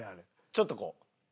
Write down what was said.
ちょっとこう。